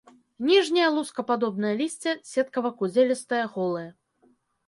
Ніжняе лускападобнае лісце сеткава-кудзелістае, голае.